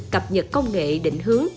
cập nhật công nghệ định hướng